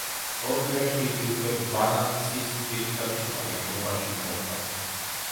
ორ კვირაში იგი უკვე ბანანცის ძირითად შემადგენლობაში მოხვდა.